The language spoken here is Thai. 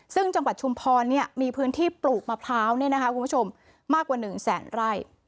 ซึ่งจังหวัดชุมพรมีพื้นที่ปลูกมะพร้าวคุณผู้ชมมากกว่า๑แสนไร่